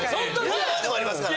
本番でもありますから。